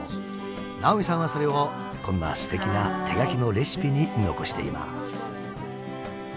直見さんはそれをこんなすてきな手書きのレシピに残しています。